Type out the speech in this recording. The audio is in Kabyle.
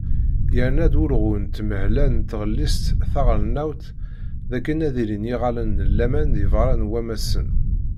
Yerna-d wulɣu n tenmehla n tɣellist taɣelnawt d akken ad ilin yiɣallen n laman deg berra n wammasen.